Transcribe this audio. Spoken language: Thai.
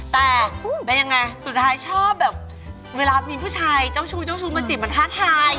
แต่เป็นอย่างไรสุดท้ายชอบแบบเวลามีผู้ชายเจ้าชู้มาจิกมาทะทาย